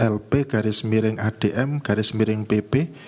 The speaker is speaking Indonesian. lp garis miring adm garis miring pp